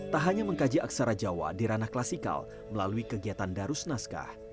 tak hanya mengkaji aksara jawa di ranah klasikal melalui kegiatan darus naskah